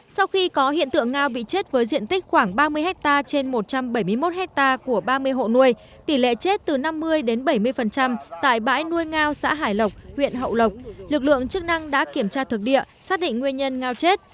sau khi có hiện tượng ngao bị chết với diện tích khoảng ba mươi hectare trên một trăm bảy mươi một hectare của ba mươi hộ nuôi tỷ lệ chết từ năm mươi đến bảy mươi tại bãi nuôi ngao xã hải lộc huyện hậu lộc lực lượng chức năng đã kiểm tra thực địa xác định nguyên nhân ngao chết